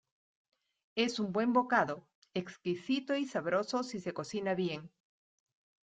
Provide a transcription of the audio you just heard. Es un buen bocado, exquisito y sabroso si se cocina bien.